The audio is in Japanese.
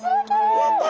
やった！